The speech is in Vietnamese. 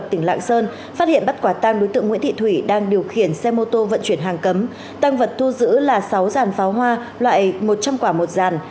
phát hiện bắt quả tăng đối tượng nguyễn thị thủy đang điều khiển xe mô tô vận chuyển hàng cấm tăng vật thu giữ là sáu ràn pháo hoa loại một trăm linh quả một ràn